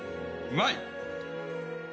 うまい！